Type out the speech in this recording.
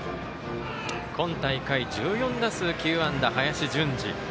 今大会、１４打数９安打林純司。